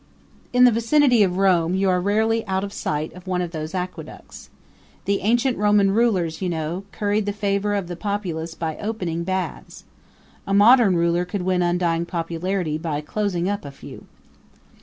In the vicinity of Rome you are rarely out of sight of one of these aqueducts. The ancient Roman rulers, you know, curried the favor of the populace by opening baths. A modern ruler could win undying popularity by closing up a few.